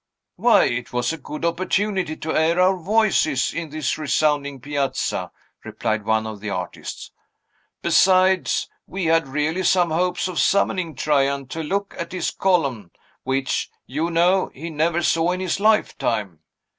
"Why, it was a good opportunity to air our voices in this resounding piazza," replied one of the artists. "Besides, we had really some hopes of summoning Trajan to look at his column, which, you know, he never saw in his lifetime.